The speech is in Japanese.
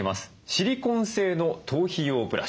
シリコン製の頭皮用ブラシ。